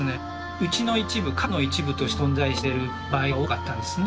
うちの一部家具の一部として存在している場合が多かったんですね。